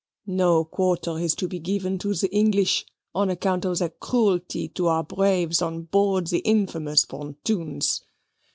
No quarter is to be given to the English, on account of their cruelty to our braves on board the infamous pontoons.